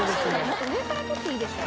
「もっと上から撮っていいでしょ」